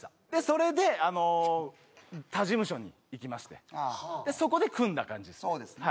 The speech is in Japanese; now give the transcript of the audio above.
それで他事務所に行きましてそこで組んだ感じですそうですね